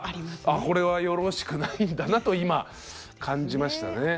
これはよろしくないんだなと今感じましたね。